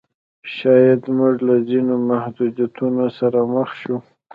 شاید موږ له ځینو محدودیتونو سره مخ شو.